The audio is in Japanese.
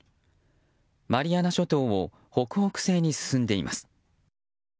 マリアナ諸島を北北西に進んでいます。